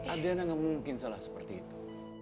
adriana gak mungkin salah seperti itu